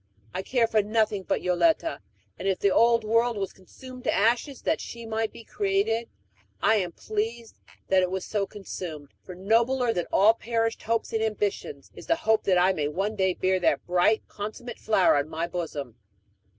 I care for nothing but Yoletta; and if the old world was consumed to ashes that she might be created, I am pleased that it was so consumed; for nobler than all perished hopes and ambitions is the hope that I may one day wear that bright, consummate flower on my bosom."